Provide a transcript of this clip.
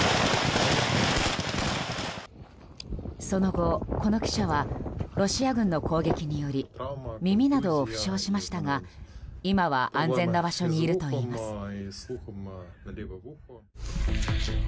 その後、この記者はロシア軍の攻撃により耳などを負傷しましたが、今は安全な場所にいるといいます。